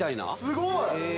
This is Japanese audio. すごい！